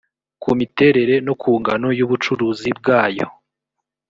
ku miterere no ku ngano y ubucuruzi bwayo